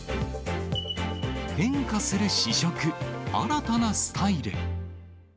変化する試食、新たなスタイル。